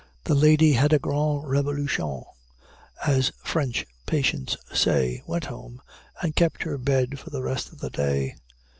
The lady had a "grande révolution," as French patients say, went home, and kept her bed for the rest of the day.